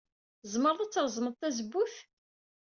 Tzemred ad treẓmed tazewwut?